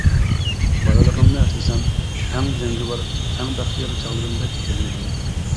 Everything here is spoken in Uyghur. بالىلىقىمنى ئەسلىسەم ئەڭ جەڭگىۋار، ئەڭ بەختىيار چاغلىرىمدەك بىلىنىدۇ.